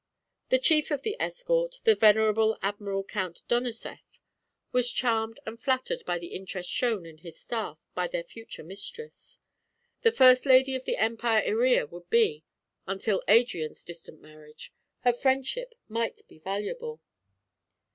The chief of the escort, the venerable Admiral Count Donoseff, was charmed and flattered by the interest shown in his staff by their future mistress. The first lady of the Empire Iría would be, until Adrian's distant marriage; her friendship might be valuable.